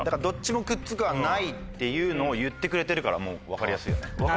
どっちもくっつくはないっていうのをいってくれてるからもう分かりやすいよね。